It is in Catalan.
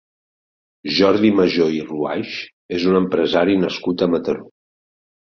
Jordi Majó i Ruaix és un empresari nascut a Mataró.